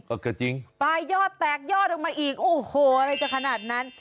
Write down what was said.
ก็จริงปลายยอดแตกยอดออกมาอีกโอ้โหอะไรจะขนาดนั้น